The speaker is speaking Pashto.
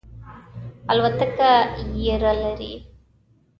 الوتکه یره لرئ؟